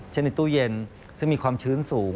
ในตู้เย็นซึ่งมีความชื้นสูง